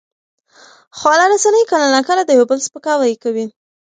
خواله رسنۍ کله ناکله د یو بل سپکاوی کوي.